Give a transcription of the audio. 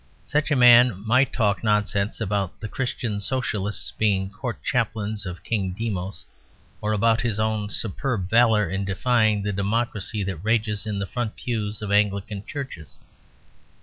Such a man might talk nonsense about the Christian Socialists being "court chaplains of King Demos" or about his own superb valour in defying the democracy that rages in the front pews of Anglican churches.